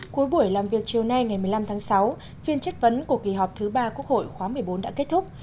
cuối buổi làm việc chiều nay ngày một mươi năm tháng sáu phiên chất vấn của kỳ họp thứ ba quốc hội khóa một mươi bốn đã kết thúc